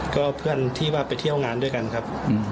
ก็เพื่อนที่ว่าไปเที่ยวงานด้วยกันครับ